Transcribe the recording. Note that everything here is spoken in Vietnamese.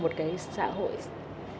có thể bảo vệ được con mình